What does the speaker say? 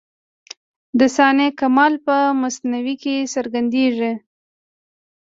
د صانع کمال په مصنوعي کي څرګندېږي.